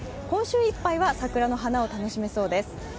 今週いっぱいは桜の花を楽しめそうです。